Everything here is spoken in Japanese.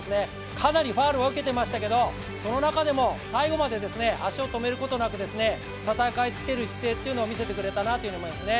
かなりファウルを受けていましたけれども、その中でも最後まで足を止めることなく戦い続ける姿勢を見せてくれたと思いますね。